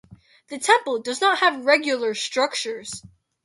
The temple does not have regular structures.